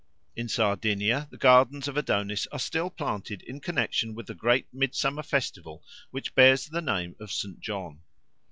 In Sardinia the gardens of Adonis are still planted in connexion with the great midsummer festival which bears the name of St. John.